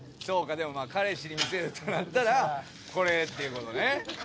でもまあ彼氏に見せるとなったらこれっていうことね。